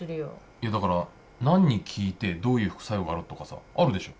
いやだから何に効いてどういう副作用があるとかさあるでしょ？